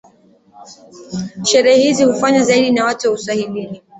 Sherehe hizi hufanywa zaidi na watu wa uswahilini